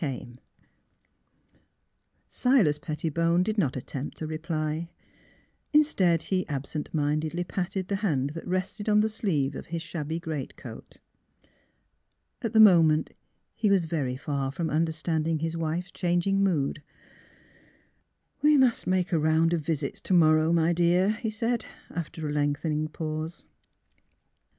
'' 44 THE HEART OF PHILURA Silas Pettibone did not attempt a reply; instead he absent mindedly patted the hand that rested on the sleeve of his shabby greatcoat. At the moment he was very far from understanding his wife's changing mood, *' We must make a round of visits to morrow, my dear," he said, after a lengthening pause.